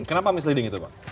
kenapa misleading itu pak